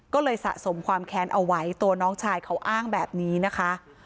ก็เลยสะสมความแค้นเอาไว้ตัวน้องชายเขาอ้างแบบนี้นะคะ